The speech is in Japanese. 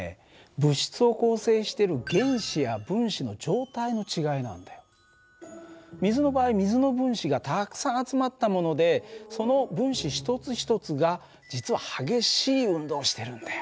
物質を構成してる水の場合水の分子がたくさん集まったものでその分子一つ一つが実は激しい運動をしてるんだよ。